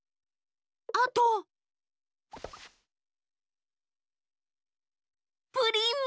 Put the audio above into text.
あとプリンも。